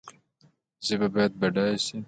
ژبه باید بډایه شي